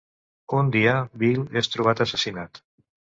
Un dia, Bill és trobat assassinat.